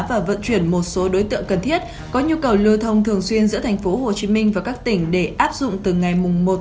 và vận chuyển một số đối tượng cần thiết có nhu cầu lưu thông thường xuyên giữa tp hcm và các tỉnh để áp dụng từ ngày một một